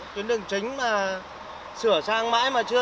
tuyến đường chính mà sửa sang mãi mà chưa